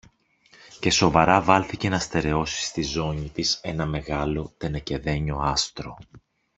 και σοβαρά βάλθηκε να στερεώσει στη ζώνη της ένα μεγάλο τενεκεδένιο άστρο.